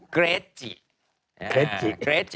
เกรทจี